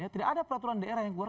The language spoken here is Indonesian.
tidak ada peraturan daerah yang keluar